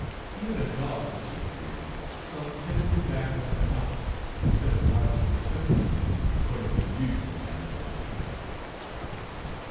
Even a dog which had appeared slunk timidly back under the house, instead of barking vociferously according to the usual habit of his kind.